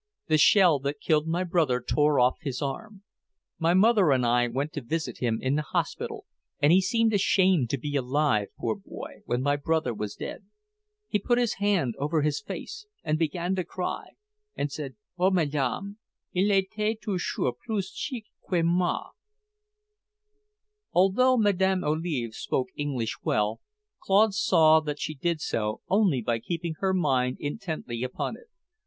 The shell that killed my brother tore off his arm. My mother and I went to visit him in the hospital, and he seemed ashamed to be alive, poor boy, when my brother was dead. He put his hand over his face and began to cry, and said, 'Oh, Madame, il était toujours plus chic que moi!'" Although Mlle. Olive spoke English well, Claude saw that she did so only by keeping her mind intently upon it.